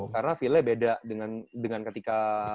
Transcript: karena feelnya beda dengan ketika